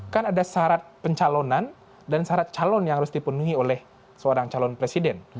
kan ada syarat pencalonan dan syarat calon yang harus dipenuhi oleh seorang calon presiden